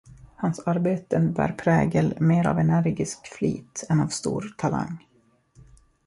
Hans arbeten bär prägel mer av energisk flit än av stor talang.